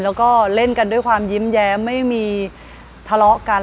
แล้วก็เล่นกันด้วยความยิ้มแย้มไม่มีทะเลาะกัน